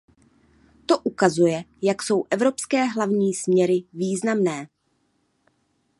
To ukazuje, jak jsou evropské hlavní směry významné.